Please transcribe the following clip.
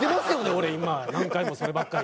俺今何回もそればっかり。